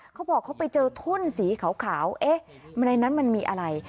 เขาบอกเขาไปเจอทุ่นสีขาวเอ๊ะในนั้นมันมีอะไร